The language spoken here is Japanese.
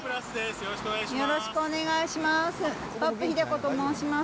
よろしくお願いします。